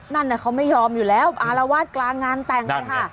นั่นเขาไม่ยอมอยู่แล้วอารวาสกลางงานแต่งเลยค่ะ